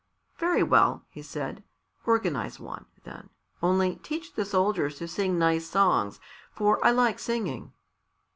"Very well," he said, "organize one, then; only teach the soldiers to sing nice songs, for I like singing."